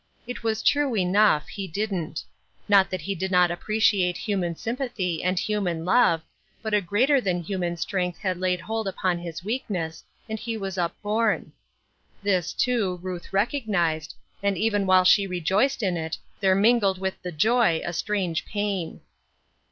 It was true enough, he didn't. Not that he did not appreciate hu man sympathy and human love, but a greater than human strength had laid hold upon his weakness, and he was upborne. This, too, Ruth recognized, and even while she rejoiced in it, there mingled with the joy a strange pain.